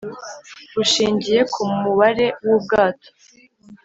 bushingiye ku mubare wu bwato